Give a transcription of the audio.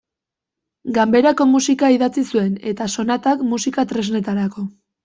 Ganberako musika idatzi zuen eta sonatak musika-tresnetarako.